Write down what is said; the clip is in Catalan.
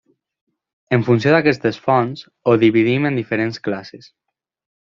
En funció d'aquestes fonts, ho dividim en diferents classes.